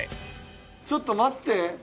ちょっと待って。